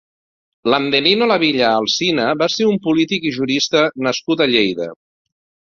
Landelino Lavilla Alsina va ser un polític i jurista nascut a Lleida.